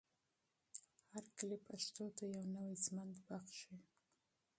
هر کلیپ پښتو ته یو نوی ژوند بښي.